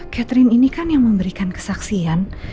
catherine ini kan yang memberikan kesaksian